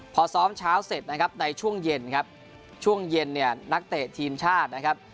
พอซ้อมเช้าเสร็จนะครับในช่วงเย็นครับช่วงเย็นเนี่ยนักเตะทีมชาตินะครับ